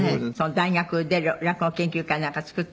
大学で落語研究会なんか作ったり。